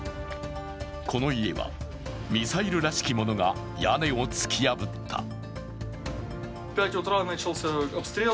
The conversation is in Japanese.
この家は、ミサイルらしきものが屋根を突き破った。